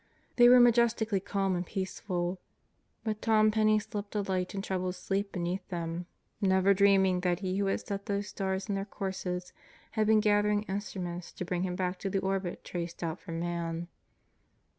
They were majestically calm and peaceful. But Tom Penney slept a light and troubled sleep beneath them, never dreaming that He who had set those stars in their courses had been gathering instru ments to bring him back to the orbit traced out for man.